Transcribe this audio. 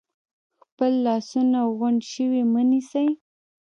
خپل لاسونه غونډ شوي مه نیسئ،